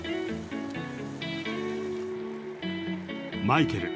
マイケル